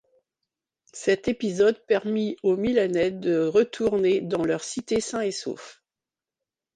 Cet épisode permit aux Milanais de retourner dans leur cité sains et saufs.